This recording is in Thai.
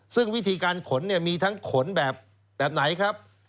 ซึ่งวิธีการขนเนี่ยมีทั้งขนแบบไหนครับ